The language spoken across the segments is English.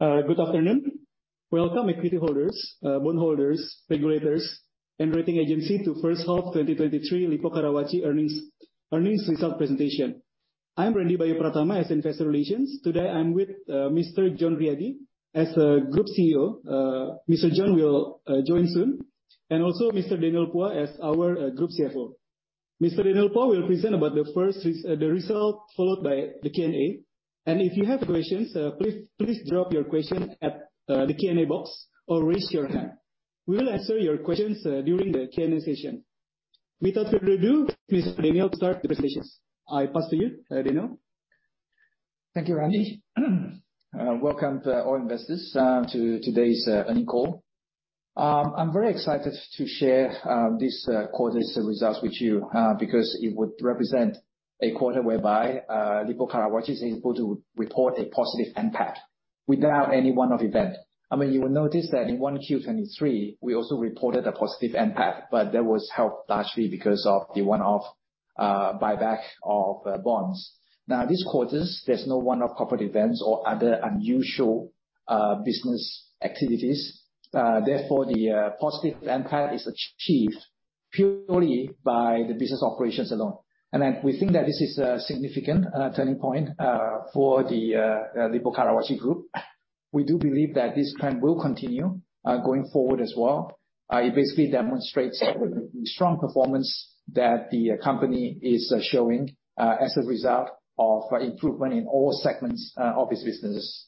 Good afternoon. Welcome equity holders, bondholders, regulators, and rating agency to first half 2023 Lippo Karawaci earnings, earnings result presentation. I'm Randi Bayu Prathama, as investor relations. Today, I'm with Mr. John Riady as Group CEO. Mr. John will join soon, and also Mr. Daniel Phua as our Group CFO. Mr. Daniel Phua will present about the first the result, followed by the Q&A. If you have questions, please, please drop your question at the Q&A box or raise your hand. We will answer your questions during the Q&A session. Without further ado, please, Daniel, start the presentations. I pass to you, Daniel. Thank you, Randi. Welcome to all investors to today's earning call. I'm very excited to share this quarter's results with you because it would represent a quarter whereby Lippo Karawaci is able to report a positive NPAT without any one-off event. I mean, you will notice that in 1Q23, we also reported a positive NPAT, but that was helped largely because of the one-off buyback of bonds. Now, this quarters, there's no one-off corporate events or other unusual business activities. Therefore, the positive NPAT is achieved purely by the business operations alone. We think that this is a significant turning point for the Lippo Karawaci Group. We do believe that this trend will continue going forward as well. It basically demonstrates the strong performance that the company is showing as a result of improvement in all segments of this business.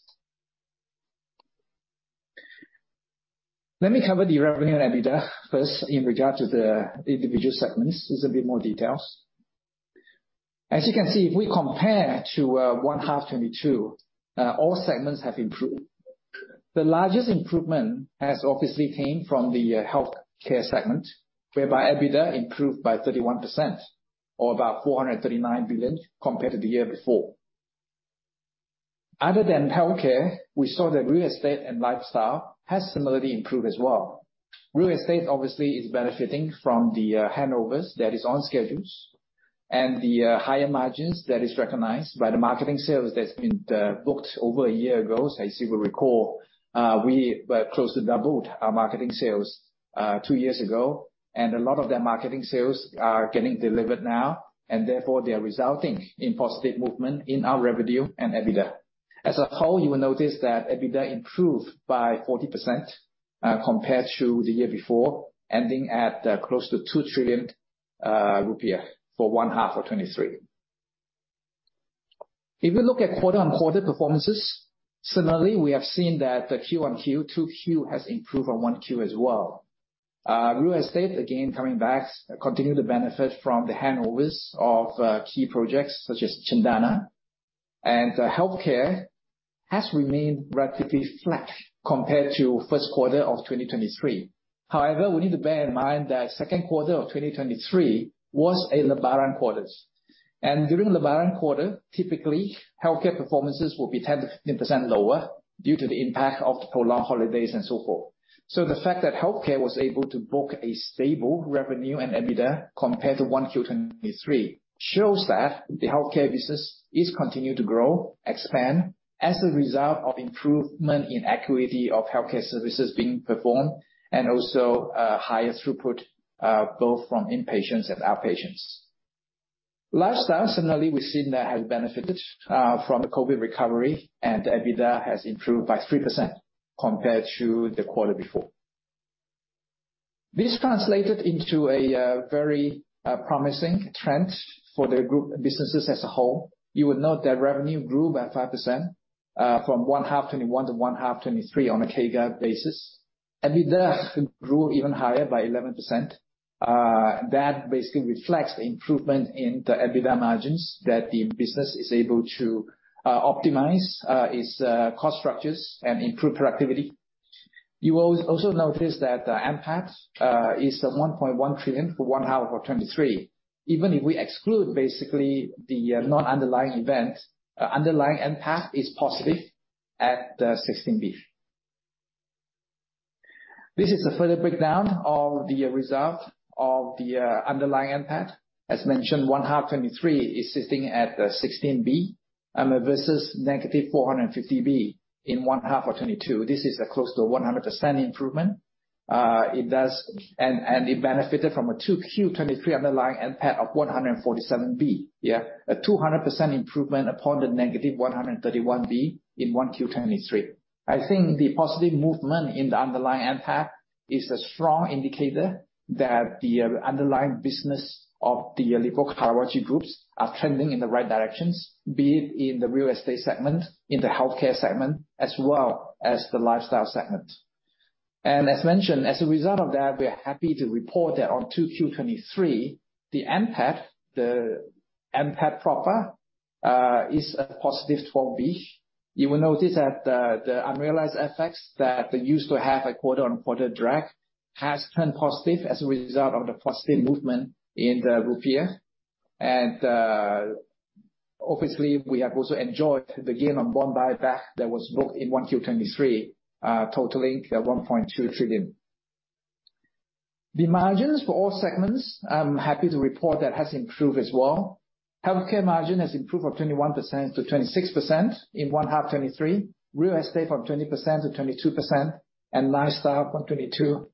Let me cover the revenue and EBITDA first in regard to the individual segments. This a bit more details. As you can see, if we compare to one half 2022, all segments have improved. The largest improvement has obviously came from the Healthcare segment, whereby EBITDA improved by 31%, or about 439 billion, compared to the year before. Other than Healthcare, we saw that Real Estate and Lifestyle has similarly improved as well. Real Estate, obviously, is benefiting from the handovers that is on schedules, and the higher margins that is recognized by the marketing sales that's been booked over a year ago. As you will recall, we closely doubled our marketing sales two years ago, and a lot of their marketing sales are getting delivered now and therefore they are resulting in positive movement in our revenue and EBITDA. As a whole, you will notice that EBITDA improved by 40% compared to the year before, ending at close to 2 trillion rupiah for one half of 2023. If you look at quarter-on-quarter performances, similarly, we have seen that the Q1 Q2Q has improved from 1Q as well. Real Estate, again, coming back, continue to benefit from the handovers of key projects such as Cendana. The Healthcare has remained relatively flat compared to first quarter of 2023. However, we need to bear in mind that second quarter of 2023 was a Lebaran quarters. During Lebaran quarter, typically, Healthcare performances will be 10%-15% lower due to the impact of prolonged holidays and so forth. The fact that Healthcare was able to book a stable revenue and EBITDA compared to 1Q 2023, shows that the Healthcare business is continue to grow, expand, as a result of improvement in acuity of Healthcare services being performed, and also, higher throughput, both from inpatients and outpatients. Lifestyle, similarly, we've seen that has benefited from the COVID recovery, and the EBITDA has improved by 3% compared to the quarter before. This translated into a very promising trend for the group businesses as a whole. You will note that revenue grew by 5% from 1H 2021 to 1H 2023, on a CAGR basis. EBITDA grew even higher by 11%. That basically reflects the improvement in the EBITDA margins, that the business is able to optimize its cost structures and improve productivity. You will also notice that the NPAT is at 1.1 trillion for 1H 2023. Even if we exclude, basically, the non-underlying event, underlying NPAT is positive at 16 billion. This is a further breakdown of the result of the underlying NPAT. As mentioned, 1H 2023 is sitting at 16 billion versus negative 450 billion in 1H 2022. This is a close to 100% improvement. It benefited from a 2Q 2023 underlying NPAT of 147 billion. A 200% improvement upon the negative 131 billion in 1Q 2023. I think the positive movement in the underlying NPAT is a strong indicator that the underlying business of the Lippo Karawaci Groups are trending in the right directions, be it in the Real Estate segment, in the Healthcare segment, as well as the Lifestyle segment. As mentioned, as a result of that, we are happy to report that on 2Q23, the NPAT, the NPAT proper, is a positive 12 billion. You will notice that the unrealized effects that used to have a quarter-over-quarter drag, has turned positive as a result of the positive movement in the rupiah. Obviously, we have also enjoyed the gain on bond buyback that was booked in 1Q23, totaling at 1.2 trillion. The margins for all segments, I'm happy to report that has improved as well. Healthcare margin has improved from 21%-26% in 1H 2023, Real Estate from 20%-22%, and Lifestyle from 22%-23%.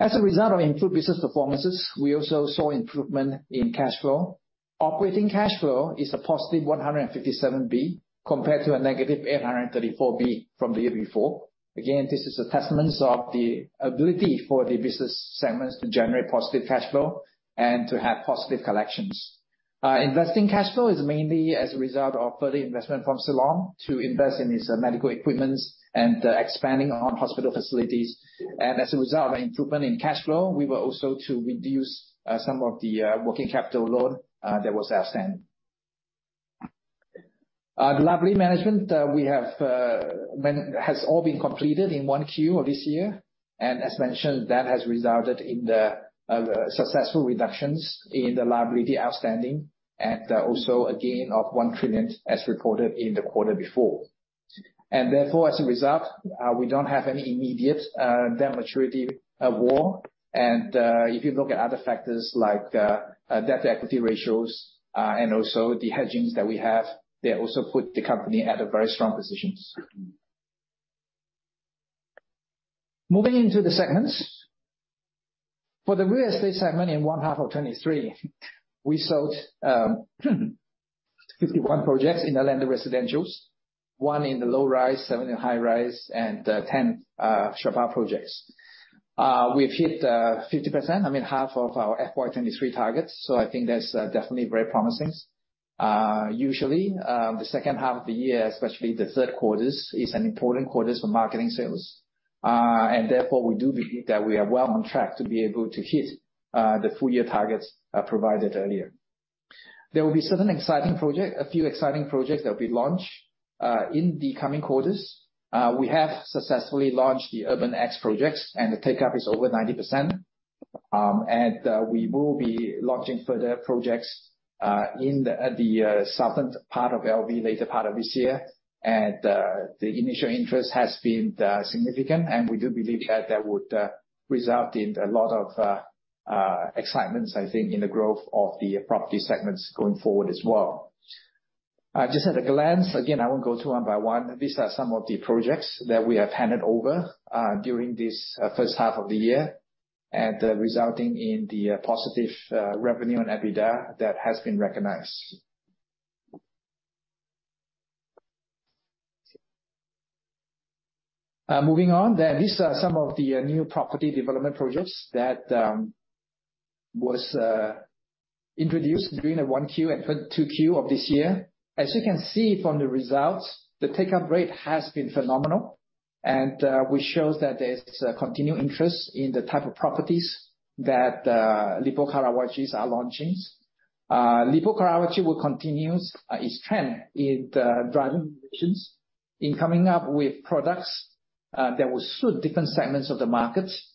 As a result of improved business performances, we also saw improvement in cash flow. Operating cash flow is a positive 157 billion, compared to a negative 834 billion from the year before. Again, this is a testament of the ability for the business segments to generate positive cash flow and to have positive collections. Investing cash flow is mainly as a result of further investment from Siloam to invest in its medical equipments and expanding on hospital facilities. As a result of improvement in cash flow, we were also to reduce some of the working capital loan that was outstanding. The liability management, we have has all been completed in 1Q of this year, as mentioned, that has resulted in the successful reductions in the liability outstanding, also a gain of 1 trillion, as reported in the quarter before. Therefore, as a result, we don't have any immediate debt maturity wall. If you look at other factors like debt-to-equity ratios, and also the hedgings that we have, they also put the company at a very strong position. Moving into the segments. For the Real Estate segment in 1H 2023, we sold 51 projects in the land of residentials, one in the low-rise, seven in high-rise, and 10 shophouse projects. We've hit, I mean, 50%, half of our FY 2023 targets, so I think that's definitely very promising. Usually, the second half of the year, especially the third quarters, is an important quarter for marketing sales. Therefore, we do believe that we are well on track to be able to hit the full year targets provided earlier. There will be certain exciting a few exciting projects that will be launched in the coming quarters. We have successfully launched the URBN X projects, and the take-up is over 90%. We will be launching further projects in the southern part of LB, later part of this year. The initial interest has been significant, and we do believe that that would result in a lot of excitements, I think, in the growth of the property segments going forward as well. Just at a glance, again, I won't go through one by one. These are some of the projects that we have handed over during this first half of the year, and resulting in the positive revenue and EBITDA that has been recognized. Moving on, these are some of the new property development projects that was introduced during the 1Q and 2Q of this year. As you can see from the results, the take-up rate has been phenomenal, and which shows that there's a continued interest in the type of properties that Lippo Karawaci are launching. Lippo Karawaci will continue its trend in driving innovations, in coming up with products that will suit different segments of the markets.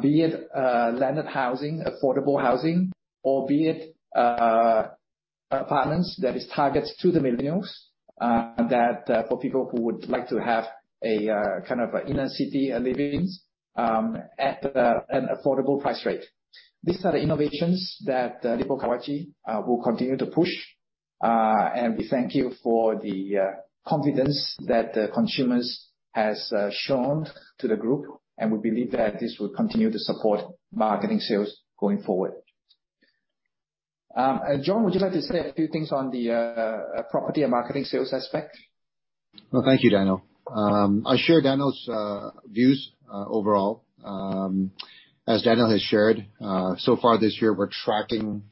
Be it landed housing, affordable housing, or be it apartments that is targeted to the millennials, that for people who would like to have a kind of inner city living at an affordable price rate. These are the innovations that Lippo Karawaci will continue to push. We thank you for the confidence that the consumers have shown to the group, and we believe that this will continue to support marketing sales going forward. John, would you like to say a few things on the property and marketing sales aspect? Well, thank you, Daniel. I share Daniel's views overall. As Daniel has shared, so far this year, we're tracking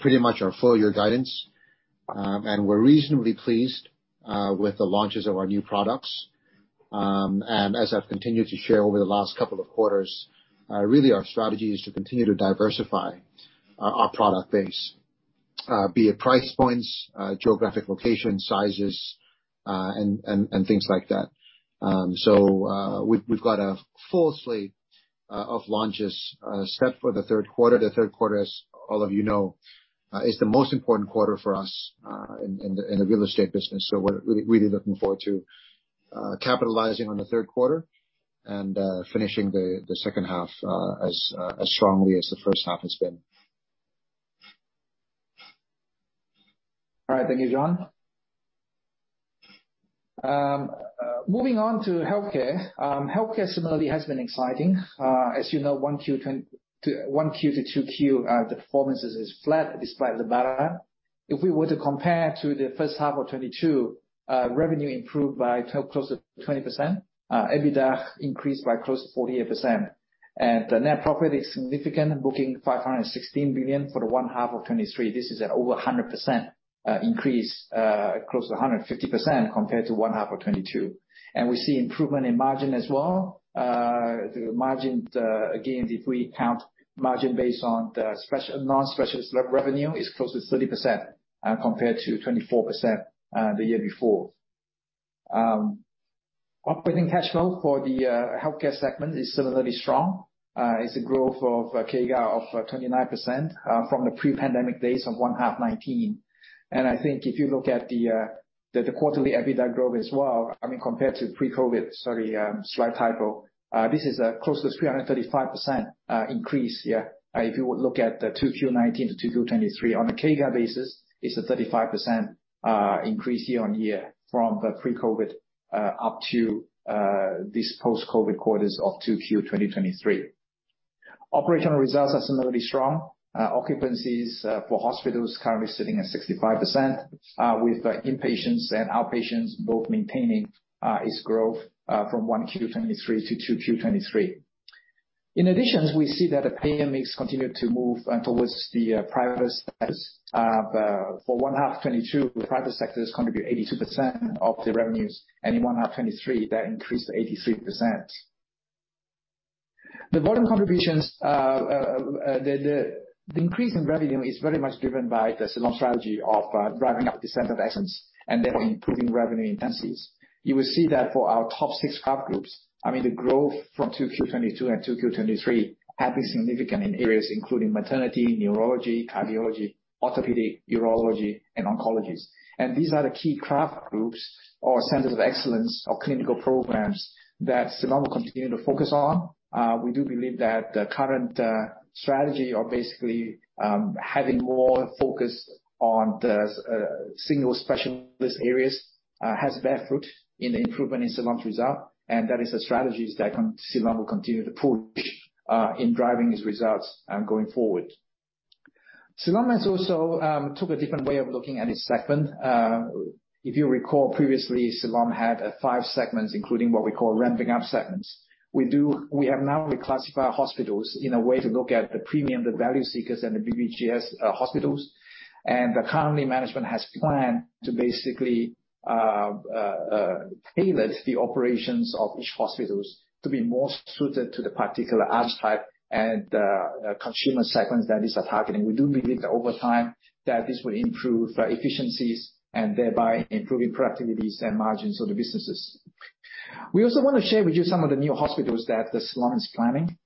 pretty much our full-year guidance. We're reasonably pleased with the launches of our new products. As I've continued to share over the last couple of quarters, really our strategy is to continue to diversify our product base, be it price points, geographic location, sizes, and, and, and things like that. We've, we've got a full slate of launches set for the third quarter. The third quarter, as all of you know, is the most important quarter for us in the Real Estate business. We're really looking forward to capitalizing on the third quarter and finishing the second half as strongly as the first half has been. All right. Thank you, John. Moving on to Healthcare. Healthcare similarly has been exciting. As you know, 1Q to 2Q, the performances is flat despite the backlog. If we were to compare to the first half of 2022, revenue improved by close to 20%, EBITDA increased by close to 48%, and the net profit is significant, booking 516 billion for the 1H 2023. This is an over 100% increase, close to 150% compared to 1H 2022. We see improvement in margin as well. The margin, again, if we count margin based on the special non-special revenue, is close to 30% compared to 24% the year before. Operating cash flow for the Healthcare segment is similarly strong. It's a growth of CAGR of 29% from the pre-pandemic days of 1H 2019. I think if you look at the quarterly EBITDA growth as well, I mean, compared to pre-COVID, sorry, slight typo, this is close to 335% increase here. If you would look at the 2Q 2019 to 2Q 2023. On a CAGR basis, it's a 35% increase year-on-year from the pre-COVID up to these post-COVID quarters of 2Q 2023. Operational results are similarly strong. Occupancies for hospitals currently sitting at 65% with inpatients and outpatients both maintaining its growth from 1Q 2023 to 2Q 2023. In addition, we see that the payer mix continued to move towards the private status. For first half 2022, the private sectors contribute 82% of the revenues, and in first half 2023, that increased to 83%. The volume contributions, the increase in revenue is very much driven by the Siloam strategy of driving up the Centers of Excellence and then improving revenue intensities. You will see that for our top six craft groups, I mean, the growth from 2Q 2022 and 2Q 2023 had been significant in areas including maternity, neurology, cardiology, orthopedic, urology, and Oncology. These are the key craft groups or Centers of Excellence or clinical programs that Siloam will continue to focus on. We do believe that the current strategy of basically having more focus on the single specialist areas has bear fruit in the improvement in Siloam's result, and that is the strategies that Siloam will continue to push in driving these results going forward. Siloam has also took a different way of looking at its segment. If you recall previously, Siloam had five segments, including what we call ramping up segments. We have now reclassified hospitals in a way to look at the premium, the value seekers, and the BPJS hospitals. Currently, management has planned to basically pilot the operations of each hospitals to be more suited to the particular asset type and the consumer segments that it's targeting. We do believe that over time, that this will improve efficiencies and thereby improving productivities and margins of the businesses. We also want to share with you some of the new hospitals that Siloam is planning.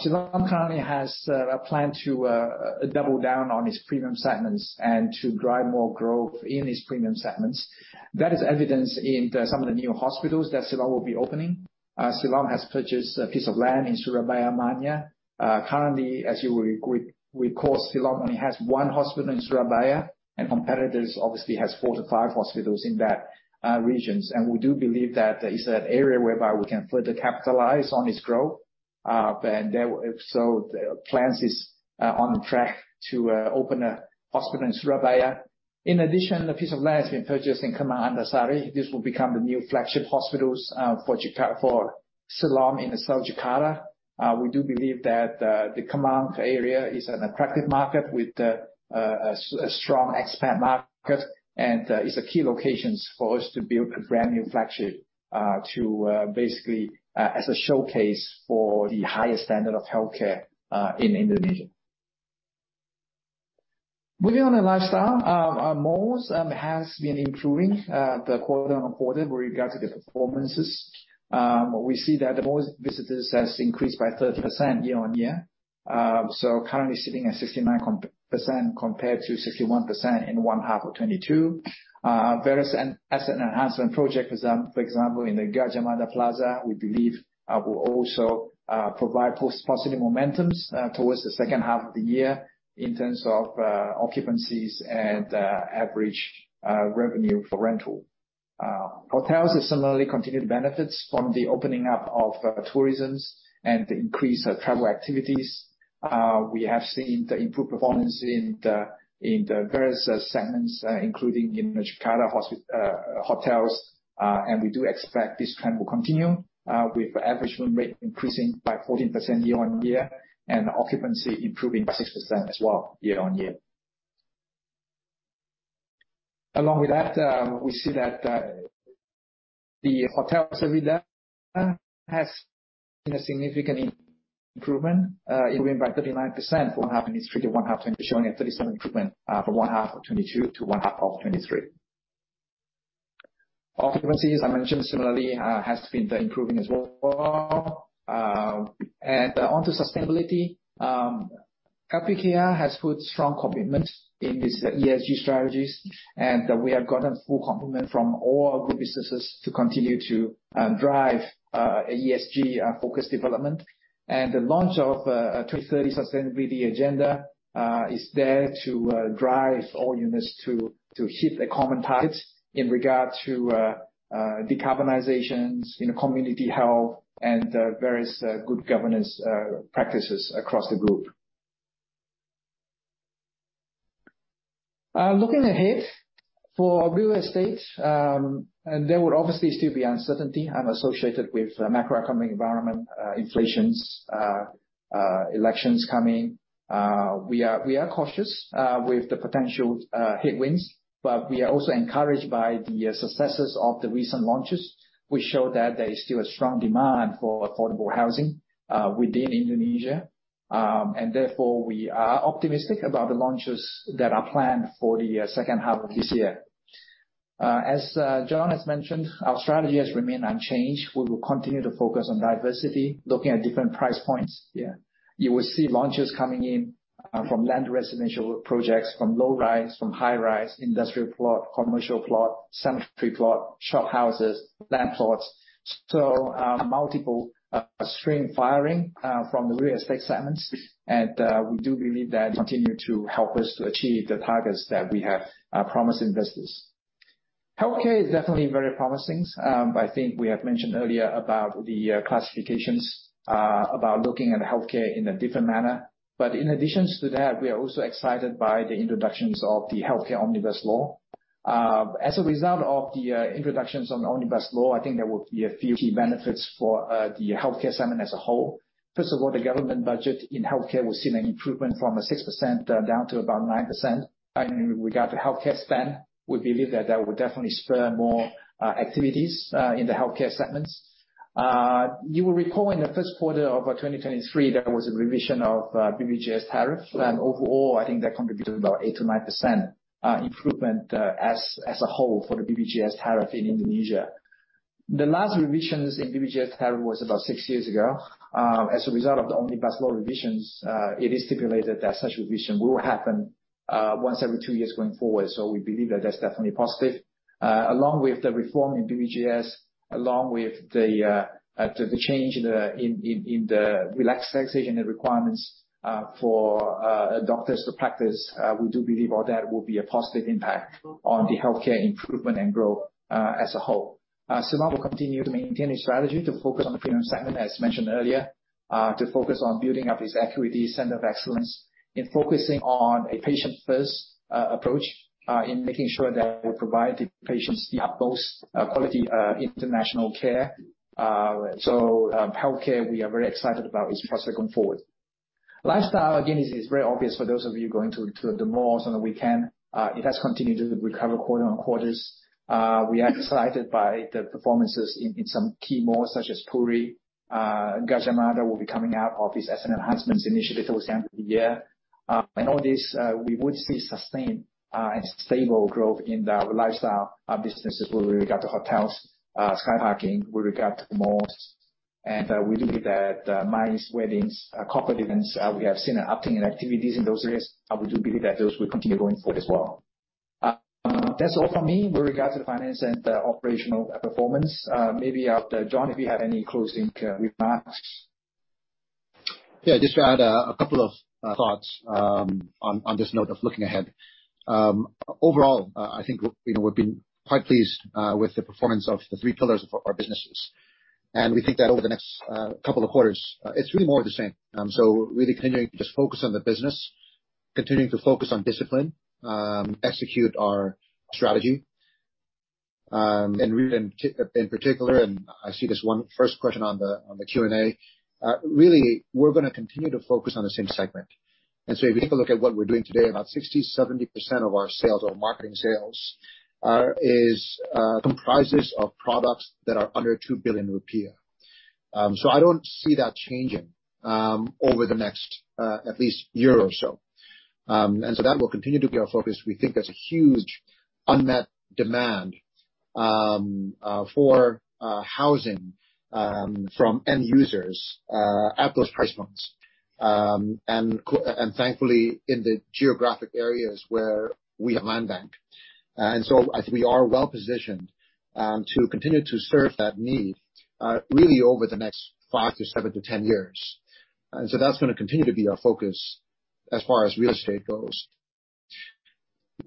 Siloam currently has a plan to double down on its premium segments and to drive more growth in its premium segments. That is evidenced in some of the new hospitals that Siloam will be opening. Siloam has purchased a piece of land in Surabaya, Manyar. Currently, as you will recall, Siloam only has one hospital in Surabaya, and competitors obviously has 4-5 hospitals in that regions. We do believe that there is an area whereby we can further capitalize on its growth. The plan is on track to open a hospital in Surabaya. In addition, a piece of land has been purchased in Kemang, Antasari. This will become the new flagship hospitals, for Siloam in the South Jakarta. We do believe that the Kemang area is an attractive market with a strong expat market, and it's a key locations for us to build a brand new flagship, to basically as a showcase for the highest standard of Healthcare in Indonesia. Moving on to Lifestyle, our malls has been improving, the quarter on quarter with regards to the performances. We see that the malls visitors has increased by 30% year-on-year. Currently sitting at 69% compared to 61% in one half of 2022. Various asset enhancement project, for example, in the Gajah Mada Plaza, we believe will also provide positive momentums towards the second half of the year in terms of occupancies and average revenue for rental. Hotels have similarly continued benefits from the opening up of tourisms and the increased travel activities. We have seen the improved performance in the various segments, including in the Jakarta hotels. We do expect this trend will continue with average room rate increasing by 14% year-on-year, and occupancy improving by 6% as well, year-on-year. Along with that, we see that the hotel RevPAR has been a significant improvement, improving by 39%, 1H in strictly 1H, showing a 37% improvement from 1H 2022 to 1H 2023. Occupancies, I mentioned similarly, has been improving as well. And onto sustainability, LPKR has put strong commitment in its ESG strategies, and we have gotten full commitment from all our group businesses to continue to drive a ESG focus development. The launch of a 2030 sustainability agenda is there to drive all units to hit a common target in regard to decarbonizations in the community health and various good governance practices across the group. Looking ahead, for Real Estate, there would obviously still be uncertainty associated with macroeconomy environment, inflations, elections coming. We are, we are cautious with the potential headwinds, but we are also encouraged by the successes of the recent launches, which show that there is still a strong demand for affordable housing within Indonesia. Therefore, we are optimistic about the launches that are planned for the second half of this year. As John has mentioned, our strategy has remained unchanged. We will continue to focus on diversity, looking at different price points here. You will see launches coming in from land residential projects, from low rise, from high rise, industrial plot, commercial plot, cemetery plot, shop houses, land plots. Multiple string firing from the Real Estate segments. We do believe that continue to help us to achieve the targets that we have promised investors. Healthcare is definitely very promising. I think we have mentioned earlier about the classifications about looking at Healthcare in a different manner. In addition to that, we are also excited by the introductions of the Health Omnibus Law. As a result of the introductions on the Omnibus Law, I think there will be a few key benefits for the Healthcare segment as a whole. First of all, the government budget in Healthcare will see an improvement from a 6%, down to about 9%. With regard to Healthcare spend, we believe that that will definitely spur more activities in the Healthcare segments. You will recall in the first quarter of 2023, there was a revision of BPJS tariff, overall, I think that contributed about 8%-9% improvement as a whole for the BPJS tariff in Indonesia. The last revisions in BPJS tariff was about 6 years ago. As a result of the Omnibus Law revisions, it is stipulated that such revision will happen once every 2 years going forward. We believe that that's definitely positive. Along with the reform in BPJS, along with the change in the relaxed taxation and requirements for doctors to practice, we do believe all that will be a positive impact on the Healthcare improvement and growth as a whole. Siloam will continue to maintain a strategy to focus on the premium segment, as mentioned earlier, to focus on building up its equity Centers of Excellence, in focusing on a patient first approach, in making sure that we provide the patients the utmost quality international care. Healthcare, we are very excited about its prospects going forward. Lifestyle, again, is, is very obvious for those of you going to, to the malls on the weekend. It has continued to recover quarter on quarters. We are excited by the performances in, in some key malls such as Puri. Gajah Mada will be coming out of its asset enhancements initiative towards the end of the year. All this, we would see sustained and stable growth in the Lifestyle businesses, with regard to hotels, Sky Parking, with regard to malls. We believe that MICE, weddings, corporate events, we have seen an uptick in activities in those areas, we do believe that those will continue going forward as well. That's all from me with regards to the finance and the operational performance. Maybe after, John, if you have any closing remarks. Yeah, just to add a couple of thoughts on this note of looking ahead. Overall, I think, you know, we've been quite pleased with the performance of the three pillars of our businesses. We think that over the next couple of quarters, it's really more of the same. Really continuing to just focus on the business, continuing to focus on discipline, execute our strategy, and really, in particular, and I see this one first question on the Q&A, really, we're gonna continue to focus on the same segment. If you take a look at what we're doing today, about 60%-70% of our sales or marketing sales is comprises of products that are under 2 billion rupiah. I don't see that changing over the next at least year or so. That will continue to be our focus. We think there's a huge unmet demand for housing from end users at those price points. Thankfully, in the geographic areas where we have land bank. I think we are well positioned to continue to serve that need really over the next 5-7-10 years. That's gonna continue to be our focus as far as Real Estate goes.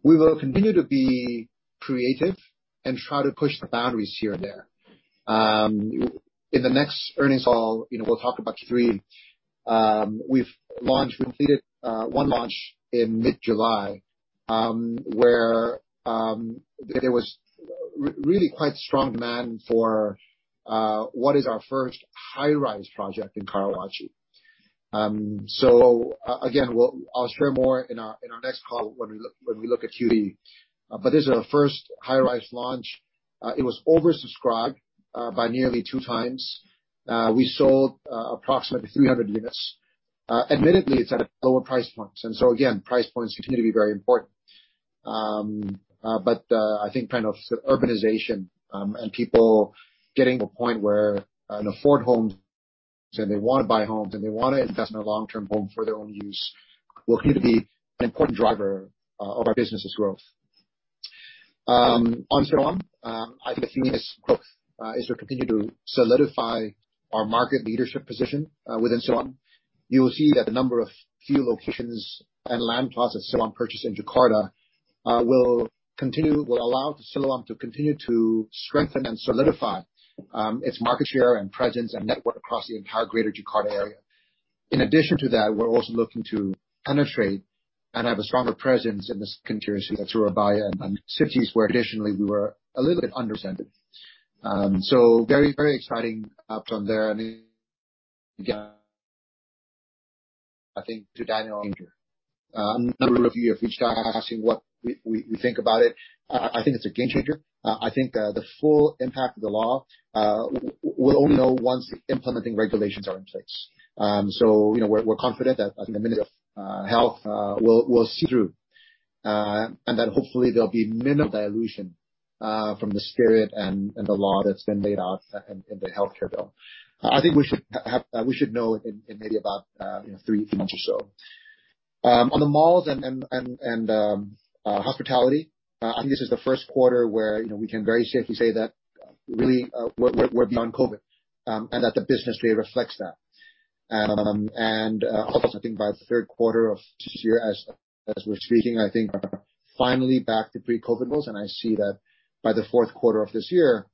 We will continue to be creative and try to push the boundaries here and there. In the next earnings call, you know, we'll talk about Q3. We've launched, completed, one launch in mid-July, where there was re- really quite strong demand for what is our first high-rise project in Karawaci. Again, we'll- I'll share more in our, in our next call when we look, when we look at Q1. This is our first high-rise launch. It was oversubscribed by nearly 2x. We sold approximately 300 units. Admittedly, it's at a lower price point. Again, price points continue to be very important. I think kind of urbanization, and people getting to a point where can afford homes and they want to buy homes, and they want to invest in a long-term home for their own use, will continue to be an important driver of our business's growth. On Siloam, I think the key is growth, as we continue to solidify our market leadership position, within Siloam. You will see that the number of few locations and land plots that Siloam purchased in Jakarta, will allow Siloam to continue to strengthen and solidify, its market share, and presence, and network across the entire greater Jakarta area. In addition to that, we're also looking to penetrate and have a stronger presence in the secondary cities like Surabaya and, and cities where additionally we were a little bit underrepresented. So very, very exciting uptown there. And again, I think to Daniel. A number of you have reached out asking what we, we, we think about it. I think it's a game changer. Uh, I think the, the full impact of the law, uh, w-we'll only know once the implementing regulations are in place. Um, so, you know, we're, we're confident that, I think the Minister of, uh, Health, uh, will, will see through, uh, and that hopefully there'll be minimal dilution, uh, from the spirit and, and the law that's been laid out in, in the Healthcare bill. I think we should h-have, uh, we should know in, in maybe about, uh, you know, three months or so. Um, on the malls and, and, and, and, um, uh, hospitality, uh, I think this is the first quarter where, you know, we can very safely say that really, uh, we're, we're beyond COVID, um, and that the business today reflects that. Also I think by the third quarter of this year, as, as we're speaking, I think we're finally back to pre-COVID levels, and I see that by the fourth quarter of this year,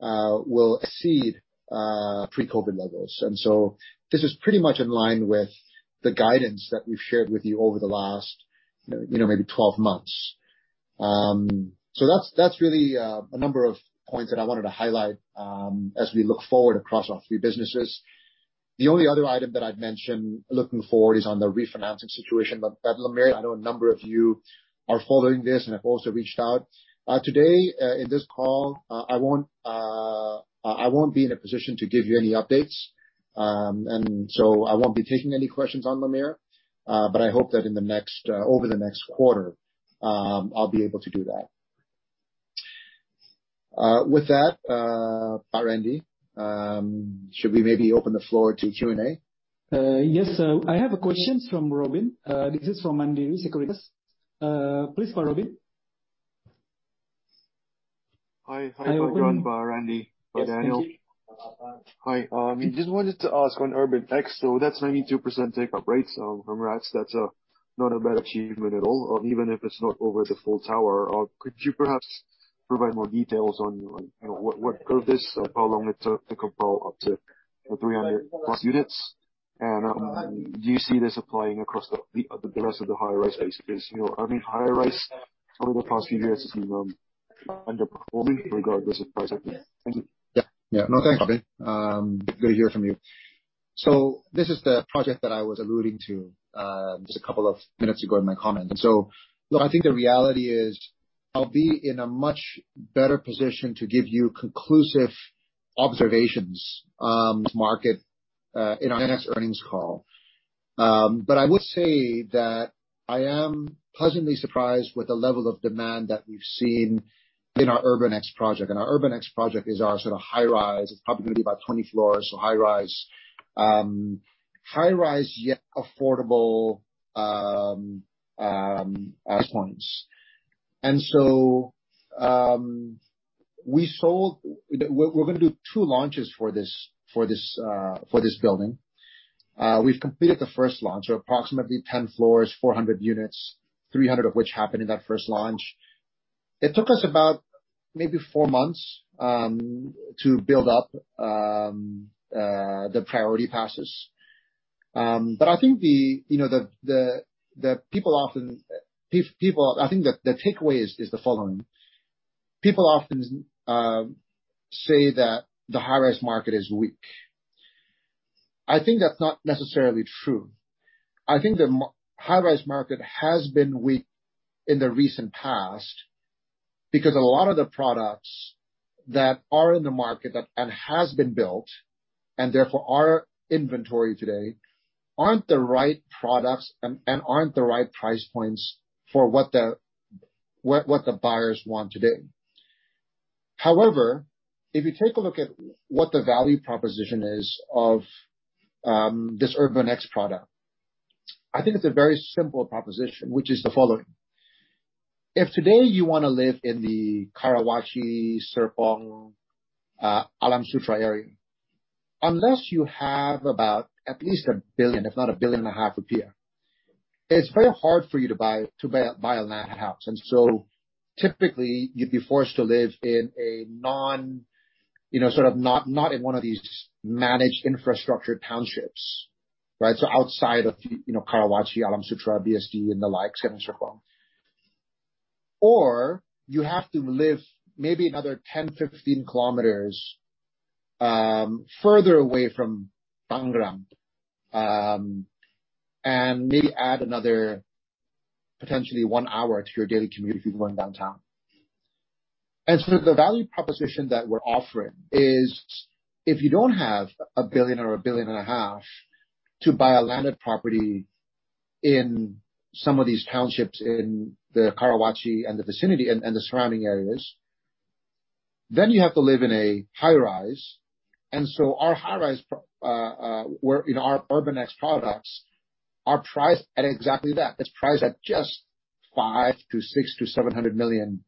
we'll exceed pre-COVID levels. So this is pretty much in line with the guidance that we've shared with you over the last, you know, maybe 12 months. That's, that's really a number of points that I wanted to highlight as we look forward across our three businesses. The only other item that I'd mention looking forward is on the refinancing situation, but La'Mere, I know a number of you are following this and have also reached out. Today, in this call, I won't, I won't be in a position to give you any updates. I won't be taking any questions on La'Mere. I hope that in the next over the next quarter, I'll be able to do that. Randi, should we maybe open the floor to Q&A? Yes. I have a question from Robin. This is from Mandiri Sekuritas. Please call Robin. Hi. Hello. I'm run by Randi. Yes, Randi. Hi, just wanted to ask on URBAN X. That's 92% take-up rate. Congrats. That's not a bad achievement at all, even if it's not over the full tower. Could you perhaps provide more details on, on, you know, what, what curve this, how long it took to compile up to the 300+ units? Do you see this applying across the, the rest of the high-rise spaces? You know, I mean, high rise over the past few years has been underperforming regardless of price. Thank you. Yeah. Yeah. No, thanks, Robin. Good to hear from you. This is the project that I was alluding to, just a couple of minutes ago in my comments. Look, I think the reality is, I'll be in a much better position to give you conclusive observations, to market, in our next earnings call. I would say that I am pleasantly surprised with the level of demand that we've seen in our URBAN X project. Our URBAN X project is our sort of high rise. It's probably gonna be about 20 floors, so high rise. High rise, yet affordable, as ones. We sold... We're gonna do 2 launches for this, for this, for this building. We've completed the first launch. Approximately 10 floors, 400 units, 300 of which happened in that first launch. It took us about maybe four months to build up the priority passes. I think the, you know, the, the, the people often, I think the, the takeaway is, is the following: People often, say that the high-rise market is weak. I think that's not necessarily true. I think the high-rise market has been weak in the recent past because a lot of the products that are in the market, that, and has been built, and therefore are inventory today, aren't the right products and, and aren't the right price points for what the, what, what the buyers want today. However, if you take a look at what the value proposition is of this URBN X product, I think it's a very simple proposition, which is the following: If today you wanna live in the Karawaci, Serpong, Alam Sutera area, unless you have about at least 1 billion, if not 1.5 billion rupiah, it's very hard for you to buy, to buy, buy a landed house. Typically, you'd be forced to live in a non you know, sort of not, not in one of these managed infrastructure townships, right? Outside of, you know, Karawaci, Alam Sutera, BSD, and the likes, and Serpong. You have to live maybe another 10-15 kilometers further away from Tangerang, and maybe add another potentially one hour to your daily commute if you went downtown. The value proposition that we're offering is, if you don't have 1 billion or 1.5 billion to buy a landed property in some of these townships in the Karawaci and the vicinity and, and the surrounding areas, then you have to live in a high rise. Our high rise where in our URBAN X products, are priced at exactly that. It's priced at just 500 million to 600 million to 700 million,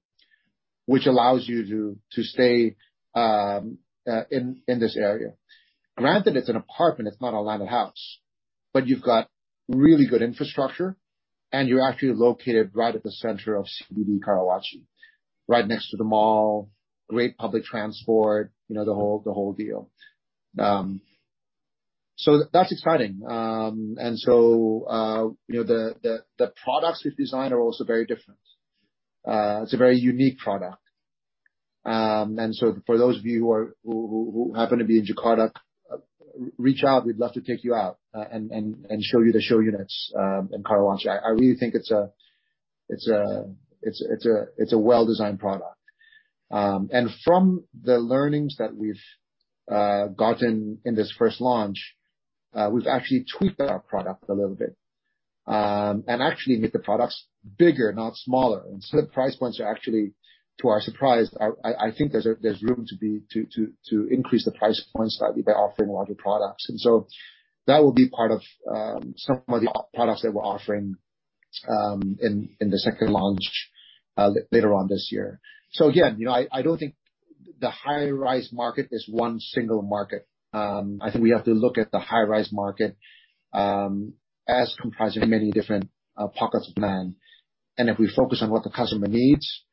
which allows you to, to stay in this area. Granted, it's an apartment, it's not a landed house, but you've got really good infrastructure, and you're actually located right at the center of CBD Karawaci, right next to the mall, great public transport, you know, the whole, the whole deal. That's exciting. So, you know, the products we've designed are also very different. It's a very unique product. So for those of you who happen to be in Jakarta, reach out, we'd love to take you out and show you the show units in Karawaci. I really think it's a well-designed product. From the learnings that we've gotten in this first launch, we've actually tweaked our product a little bit and actually made the products bigger, not smaller. So the price points are actually, to our surprise, I think there's room to be to increase the price points by offering larger products. That will be part of some of the o- products that we're offering in, in the second launch later on this year. Again, you know, I don't think the high-rise market is one single market. I think we have to look at the high-rise market as comprising many different pockets of demand. If we focus on what the customer needs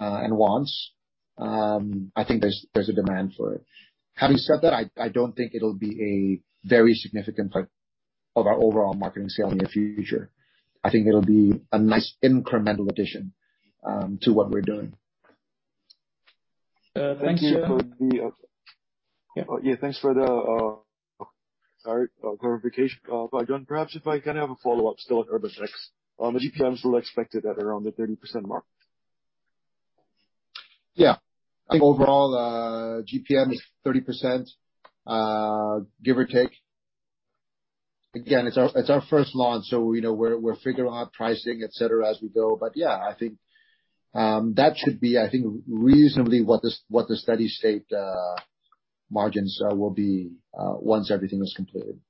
and wants, I think there's a demand for it. Having said that, I don't think it'll be a very significant part of our overall market and sale in the future. I think it'll be a nice incremental addition to what we're doing. Thank you. Yeah, thanks for the, sorry, clarification, Bayu. Perhaps if I can have a follow-up still on UrbanX. The GPMs were expected at around the 30% mark? Yeah. I think overall, GPM is 30% give or take. Again, it's our, it's our first launch, so we know we're, we're figuring out pricing, et cetera, as we go. Yeah, I think that should be, I think, reasonably what the what the steady state margins will be once everything is completed.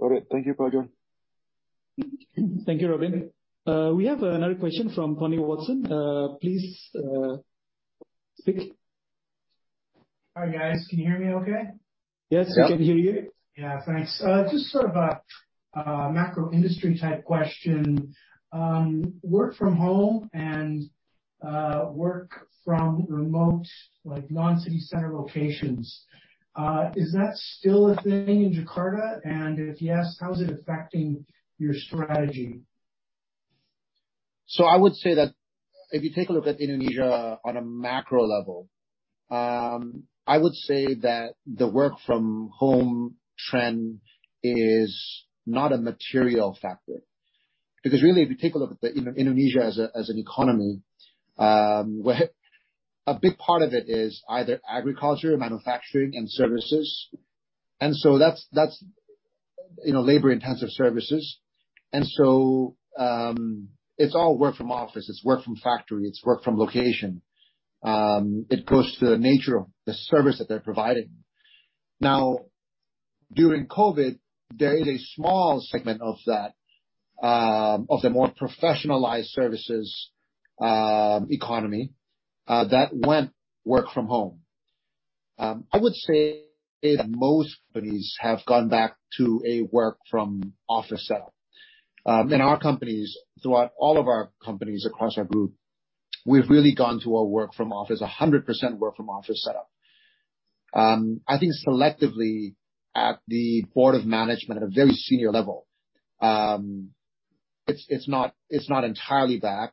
Got it. Thank you, Bayu. Thank you, Robin. We have another question from Tony Watson. Please speak. Hi, guys. Can you hear me okay? Yes, we can hear you. Yeah, thanks. Just sort of a, a macro industry type question. Work from home and, work from remote, like non-city center locations, is that still a thing in Jakarta? If yes, how is it affecting your strategy? I would say that if you take a look at Indonesia on a macro level, I would say that the work from home trend is not a material factor. Really, if you take a look at Indonesia as an economy, where a big part of it is either agriculture, manufacturing, and services, that's, that's, you know, labor-intensive services. It's all work from office, it's work from factory, it's work from location. It goes to the nature of the service that they're providing. During COVID, there is a small segment of that, of the more professionalized services, economy, that went work from home. I would say that most companies have gone back to a work from office setup. Our companies, throughout all of our companies across our group, we've really gone to a work from office, a 100% work from office setup. I think selectively at the board of management, at a very senior level, it's, it's not, it's not entirely back,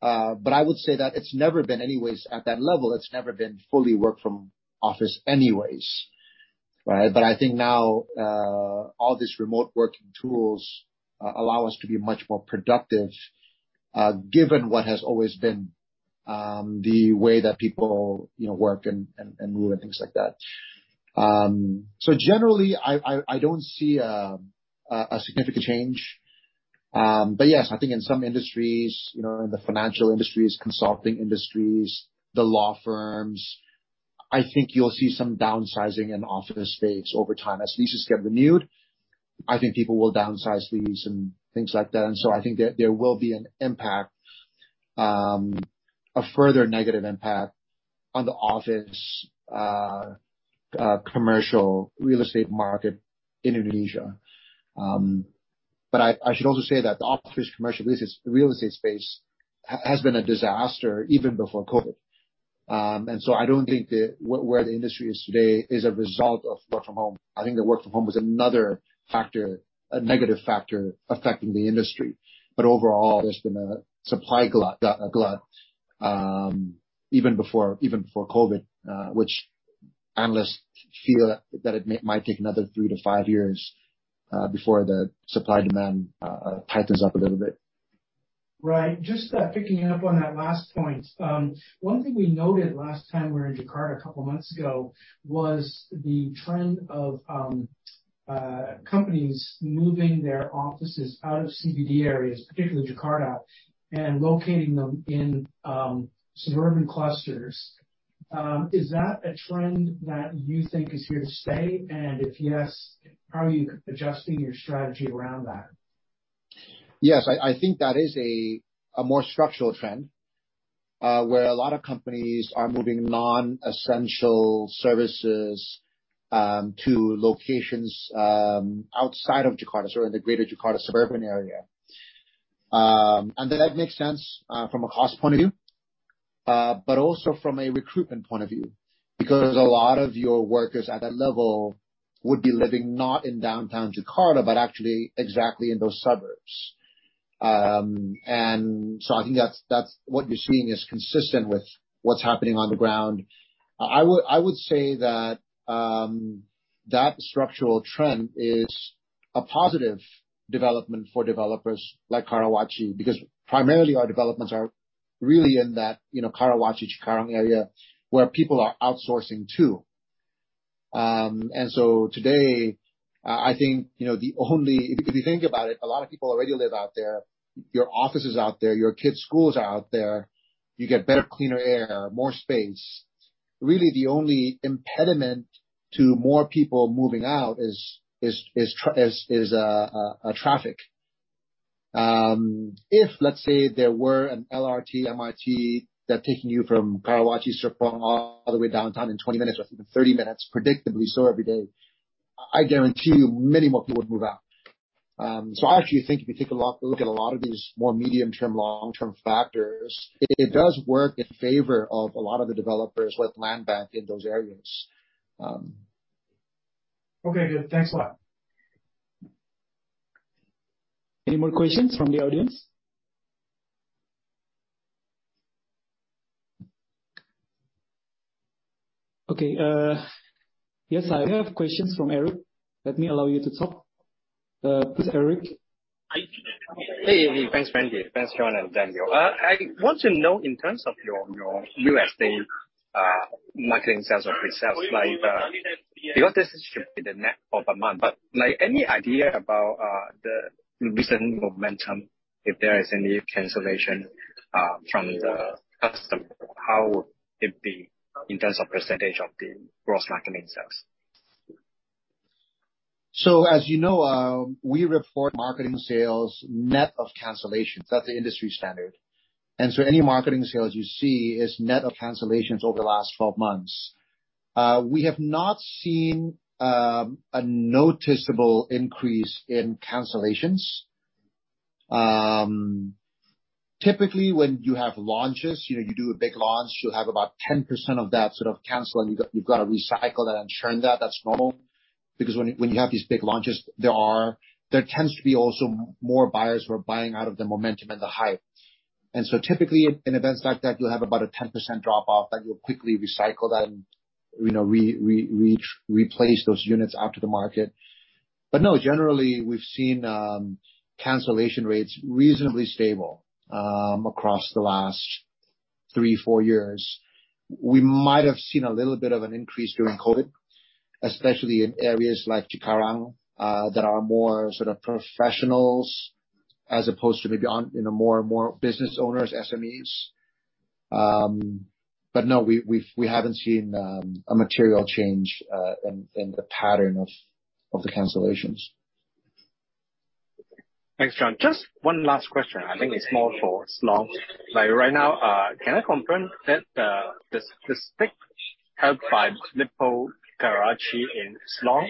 but I would say that it's never been anyways, at that level, it's never been fully work from office anyways, right? I think now, all these remote working tools allow us to be much more productive, given what has always been, the way that people, you know, work and, and, and move and things like that. Generally, I, I, I don't see a significant change. Yes, I think in some industries, in the financial industries, consulting industries, the law firms, I think you'll see some downsizing in office space over time. As leases get renewed, I think people will downsize leases and things like that. I think that there will be an impact, a further negative impact on the office commercial Real Estate market in Indonesia. I should also say that the office commercial Real Estate, Real Estate space has been a disaster even before COVID. I don't think that where the industry is today is a result of work from home. I think the work from home is another factor, a negative factor affecting the industry. Overall, there's been a supply glut, a glut, even before, even before COVID, which analysts feel that it may, might take another 3-5 years, before the supply/demand tightens up a little bit. Right. Just picking up on that last point. One thing we noted last time we were in Jakarta a couple of months ago, was the trend of companies moving their offices out of CBD areas, particularly Jakarta, and locating them in suburban clusters. Is that a trend that you think is here to stay? If yes, how are you adjusting your strategy around that? Yes, I, I think that is a, a more structural trend, where a lot of companies are moving non-essential services, to locations, outside of Jakarta, so in the greater Jakarta suburban area. That makes sense, from a cost point of view, but also from a recruitment point of view. Because a lot of your workers at that level would be living not in downtown Jakarta, but actually exactly in those suburbs. So I think that's, that's what you're seeing is consistent with what's happening on the ground. I would, I would say that, that structural trend is a positive development for developers like Karawaci, because primarily our developments are really in that, you know, Karawaci, Cikarang area, where people are outsourcing to. So today, I think, you know, the only- if you think about it, a lot of people already live out there. Your office is out there, your kids' school is out there. You get better, cleaner air, more space. Really, the only impediment to more people moving out is traffic. If, let's say, there were an LRT, MRT that taking you from Karawaci straight all the way downtown in 20 minutes or even 30 minutes, predictably so, every day, I guarantee you many more people would move out. I actually think if you take a lot- look at a lot of these more medium-term, long-term factors, it does work in favor of a lot of the developers with land bank in those areas. Okay, good. Thanks a lot. Any more questions from the audience? Okay, yes, I have questions from Eric. Let me allow you to talk. Please, Eric. Hey, hey, thanks, Randi. Thanks, John and Daniel. I want to know in terms of your, your new estate, marketing sales and pre-sales, like, your business should be the net of a month, but, like, any idea about the recent momentum, if there is any cancellation, from the customer? How would it be in terms of percentage of the gross marketing sales? As you know, we report marketing sales net of cancellations. That's the industry standard. Any marketing sales you see is net of cancellations over the last 12 months. We have not seen a noticeable increase in cancellations. Typically, when you have launches, you know, you do a big launch, you'll have about 10% of that sort of cancel, and you've, you've got to recycle that and churn that. That's normal. When, when you have these big launches, there tends to be also more buyers who are buying out of the momentum and the hype. Typically, in events like that, you'll have about a 10% drop-off, that you'll quickly recycle that and, you know, re-re-re-replace those units out to the market. No, generally, we've seen cancellation rates reasonably stable across the last three, four years. We might have seen a little bit of an increase during COVID, especially in areas like Cikarang, that are more sort of professionals, as opposed to maybe on, you know, more and more business owners, SMEs. No, we, we've, we haven't seen a material change in the pattern of the cancellations. Thanks, John. Just one last question. I think it's more for Siloam. Like, right now, can I confirm that the stake held by Lippo Karawaci in Siloam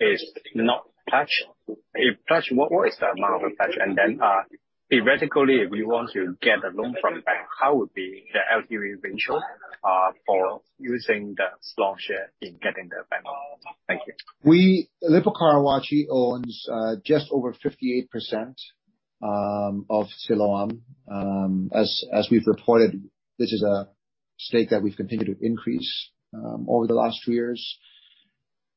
is not pledged? If pledged, what is the amount of the pledge? Theoretically, if you want to get a loan from bank, how would be the LTV ratio for using the Siloam share in getting the bank? Thank you. We, Lippo Karawaci owns just over 58% of Siloam. As, as we've reported, this is a stake that we've continued to increase over the last two years.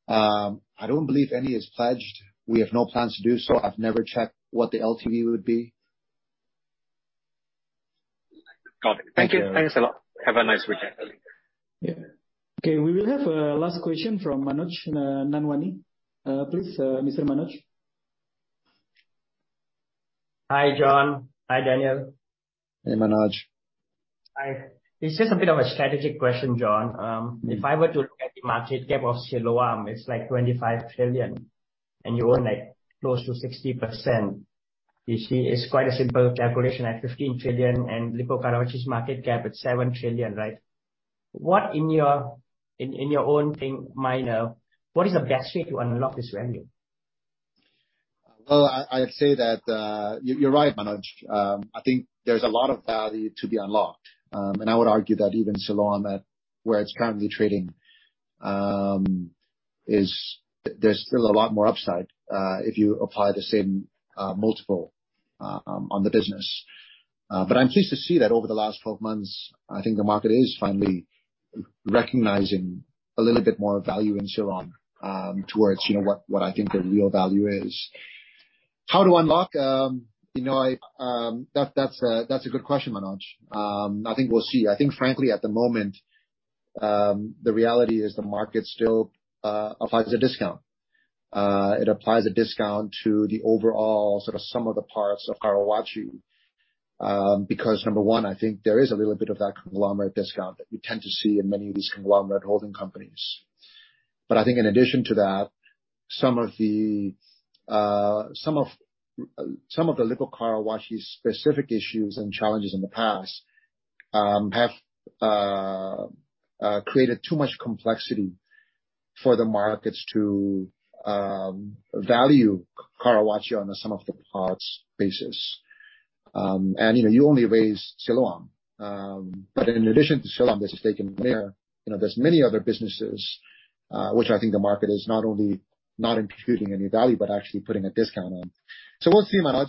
I don't believe any is pledged. We have no plans to do so. I've never checked what the LTV would be. Got it. Thank you. Thanks a lot. Have a nice weekend. Yeah. Okay, we will have a last question from Manoj Nanwani. Please, Mr. Manoj. Hi, John. Hi, Daniel. Hey, Manoj. Hi. This is a bit of a strategic question, John. If I were to look at the market cap of Siloam, it's like 25 trillion, and you own, like, close to 60%. You see, it's quite a simple calculation, at 15 trillion, and Lippo Karawaci's market cap at 7 trillion, right? What in your in, in your own mind, what is the best way to unlock this value? Well, I, I'd say that, you're right, Manoj. I think there's a lot of value to be unlocked. I would argue that even Siloam, at where it's currently trading, there's still a lot more upside, if you apply the same, multiple, on the business. I'm pleased to see that over the last 12 months, I think the market is finally recognizing a little bit more value in Siloam, towards, you know, what, what I think the real value is. How to unlock? You know, I... That, that's a, that's a good question, Manoj. I think we'll see. I think frankly, at the moment, the reality is the market still, applies a discount. It applies a discount to the overall sort of sum of the parts of Karawaci. Because number one, I think there is a little bit of that conglomerate discount that you tend to see in many of these conglomerate holding companies. I think in addition to that, some of the, some of, some of the Lippo Karawaci's specific issues and challenges in the past, have created too much complexity, for the markets to value Karawaci on the sum of the parts basis. You know, you only raise Siloam. In addition to Siloam, this is taken there, you know, there's many other businesses, which I think the market is not only not imputing any value, but actually putting a discount on. We'll see, Manoj.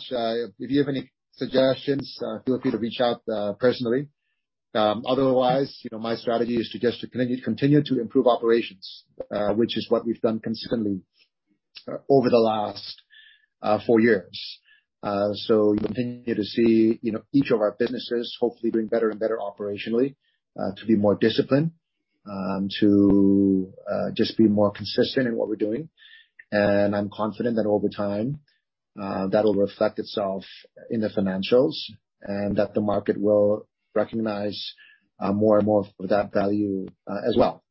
If you have any suggestions, feel free to reach out, personally. Otherwise, you know, my strategy is to just to continue, continue to improve operations, which is what we've done consistently over the last four years. So you continue to see, you know, each of our businesses hopefully doing better and better operationally, to be more disciplined, to just be more consistent in what we're doing. And I'm confident that over time, that'll reflect itself in the financials, and that the market will recognize more and more of that value as well,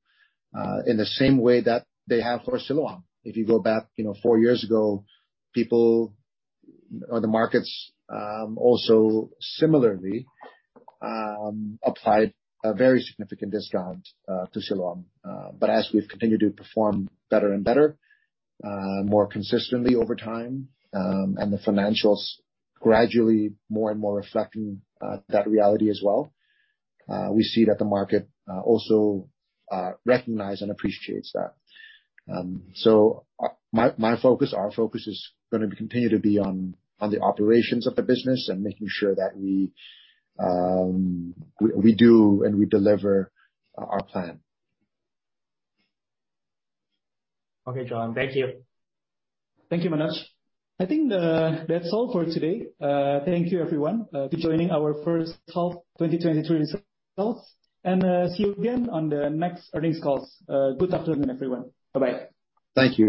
in the same way that they have for Siloam. If you go back, you know, four years ago, people or the markets also similarly applied a very significant discount to Siloam. As we've continued to perform better and better, more consistently over time, and the financials gradually more and more reflecting that reality as well, we see that the market also recognize and appreciates that. My, my focus, our focus is gonna continue to be on, on the operations of the business and making sure that we, we, we do and we deliver our plan. Okay, John. Thank you. Thank you, Manoj. I think that's all for today. Thank you, everyone, for joining our first call, 2023 results. See you again on the next earnings calls. Good afternoon, everyone. Bye-bye. Thank you.